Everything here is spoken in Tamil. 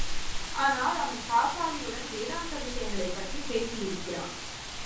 ஆனால் அவன் காசாலியுடன், வேதாந்த விஷயங்களைப் பற்றிப் பேசியிருக்கிறான்.